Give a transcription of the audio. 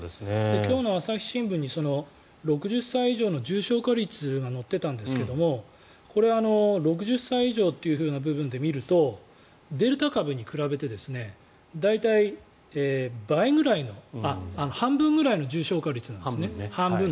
今日の朝日新聞に６０歳以上の重症化率が載っていたんですがこれは６０歳以上という部分で見るとデルタ株に比べて大体、半分ぐらいの重症化率なんです。